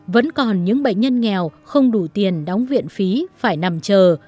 vẫn còn những bệnh nhân nghèo không đủ tiền đóng viện phí phải nằm chờ